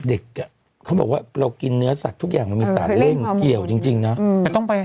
เด็กอ่ะเขาบอกว่าเรากินเนื้อสัตว์ทุกอย่างมันมีสารเร่งเกี่ยวจริงนะ